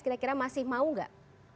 kira kira masih mau nggak